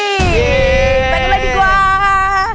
ไปกันเลยดีกว่า